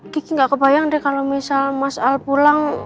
kiki nggak kebayang deh kalau misal mas al pulang